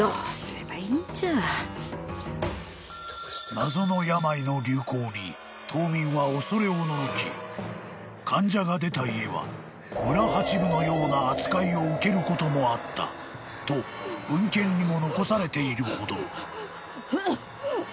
［謎の病の流行に島民は恐れおののき患者が出た家は村八分のような扱いを受けることもあったと文献にも残されているほど］